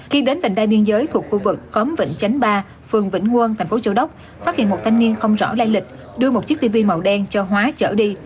khi đến vành đai biên giới thuộc khu vực khóm vĩnh chánh ba phường vĩnh quân thành phố châu đốc phát hiện một thanh niên không rõ lai lịch đưa một chiếc tv màu đen cho hóa chở đi